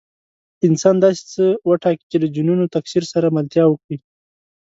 انسان داسې څه وټاکي چې له جینونو تکثیر سره ملتیا وکړي.